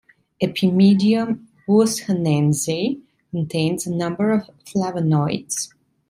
"Epimedium wushanense" contains a number of flavanoids.